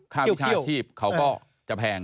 วิชาชีพเขาก็จะแพง